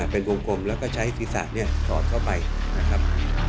เป็นกลมแล้วก็ใช้ศีรษะถอดเข้าไปนะครับ